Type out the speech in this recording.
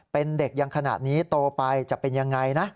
เป็นเด็กยังขนาดนี้โตไปจะเป็นยังไงนะ